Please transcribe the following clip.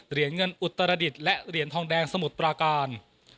เหรียญเงินอุตรดิษฐ์และเหรียญทองแดงสมุทรปราการ